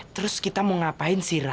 terus kita mau ngapain sih ra